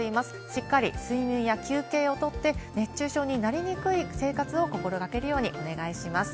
しっかり睡眠や休憩をとって、熱中症になりにくい生活を心がけるようにお願いします。